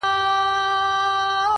پرمختګ له دوامداره تمرین زېږي!